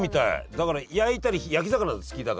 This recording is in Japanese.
だから焼いたり焼き魚なら好きだから。